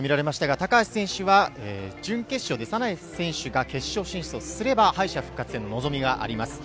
高橋選手は準決勝でサナエフ選手が決勝進出をすれば敗者復活への望みがあります。